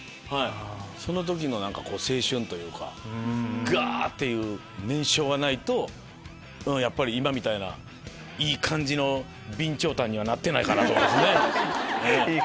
その時の青春というかガ！っていう燃焼がないと今みたいないい感じの備長炭にはなってないかなと思いますね。